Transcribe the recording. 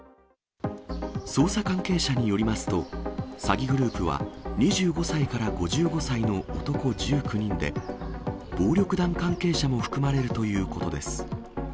捜査関係者によりますと、詐欺グループは、２５歳から５５歳の男１９人で、暴力団関係者も含まれるということです。